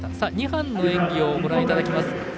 ２班の演技をご覧いただきます。